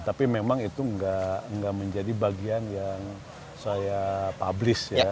tapi memang itu nggak menjadi bagian yang saya publish ya